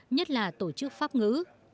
nhất là tổ chức pháp ngữ